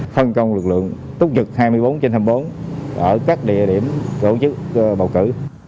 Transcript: phân công lực lượng túc trực hai mươi bốn trên hai mươi bốn ở các địa điểm tổ chức bầu cử